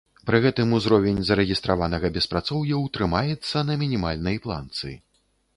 Пры гэтым узровень зарэгістраванага беспрацоўя ў трымаецца на мінімальнай планцы.